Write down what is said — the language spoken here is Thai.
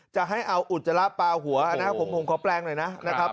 จะให้เอาอุจจาระปลาหัวนะผมขอแปลงหน่อยนะครับ